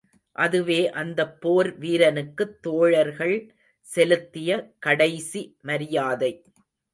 அதுவே அந்தப் போர் வீரனுக்குத் தோழர்கள் செலுத்திய கடைசி மரியாதை.